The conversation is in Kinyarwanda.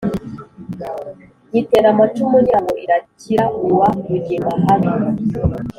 nyitera amacumu ngira ngo idakira uwa rugemahabi,